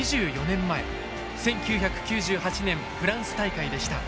１９９８年フランス大会でした。